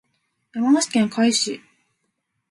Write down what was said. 山梨県甲斐市